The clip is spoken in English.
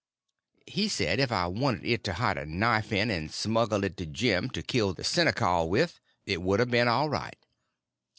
He said if I'd a wanted it to hide a knife in, and smuggle it to Jim to kill the seneskal with, it would a been all right.